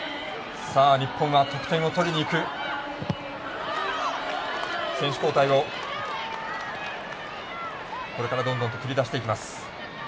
日本は得点を取りに行く選手交代をこれから繰り出していきます。